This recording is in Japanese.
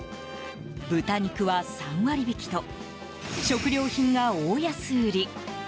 豚肉は３割引きと食料品が大安売り。